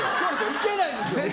行けないんですよ！